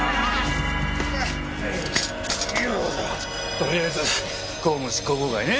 とりあえず公務執行妨害ね。